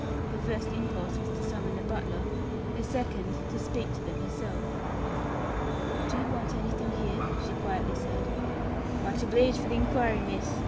Her first impulse was to summon the butler; her second, to speak to them herself. "Do you want anything here?" she quietly said. "Much obleeged for the inquiry, miss.